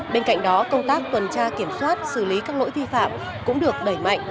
bên cạnh đó công tác tuần tra kiểm soát xử lý các lỗi vi phạm cũng được đẩy mạnh